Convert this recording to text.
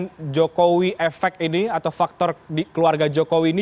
efek jokowi ini atau faktor keluarga jokowi ini